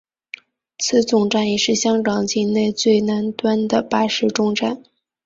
此总站也是香港境内最南端的巴士终站。